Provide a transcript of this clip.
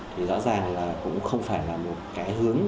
thì rõ ràng là cũng không phải là một cái hướng